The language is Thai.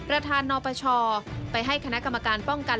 ประธานนปชไปให้คณะกรรมการป้องกัน